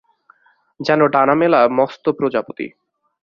যেন ডানা-মেলা মস্ত প্রজাপতি।